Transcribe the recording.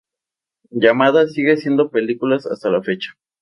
Yamada sigue haciendo películas hasta la fecha.